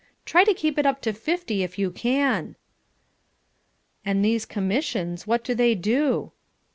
"Try to keep it up to fifty if you can." "And these commissions, what do they do?"